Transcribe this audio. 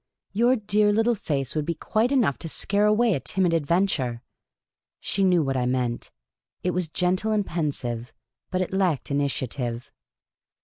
Your dear little face would be quite enough to scare away a timid adventure." She knew what I meant. It was gentle and pensive, but it lacked initiative.